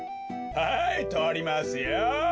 はいとりますよ。